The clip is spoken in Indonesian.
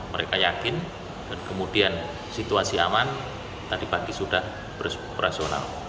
mereka yakin dan kemudian situasi aman tadi pagi sudah beroperasional